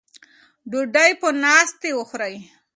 ډوډۍ په ناستې وخورئ.